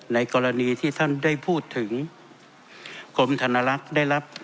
ในกรณีที่ท่านได้พูดถึงกรมธนลักษณ์ได้รับ